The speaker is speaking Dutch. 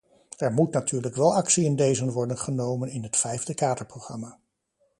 Er moet natuurlijk wel actie in dezen worden genomen in het vijfde kaderprogramma.